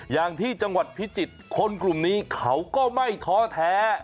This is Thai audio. อย่างที่จังหวัดพิจิตรคนกลุ่มนี้เขาก็ไม่ท้อแท้